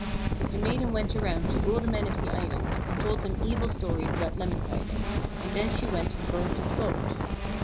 But the maiden went around to all the men of the island, and told them evil stories about Lemminkainen, and then she went and burned his boat.